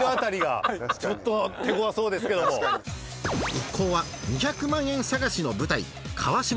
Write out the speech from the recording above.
一行は２００万円探しの舞台